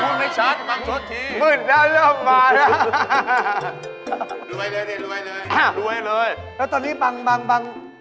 มุกมันไม่ดีหรือเปล่าวะ